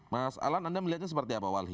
mas alan anda melihatnya seperti apa walhi